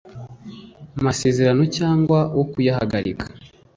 Amasezerano cyangwa wo kuyahagarika